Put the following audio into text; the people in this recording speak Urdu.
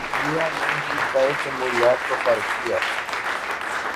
کیونکہ عدلیہ نے ہی قائد جمہوریت کو فارغ کیا۔